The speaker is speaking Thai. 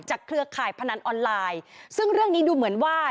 เครือข่ายพนันออนไลน์ซึ่งเรื่องนี้ดูเหมือนว่า